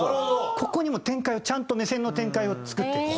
ここにも展開をちゃんと目線の展開を作っていく。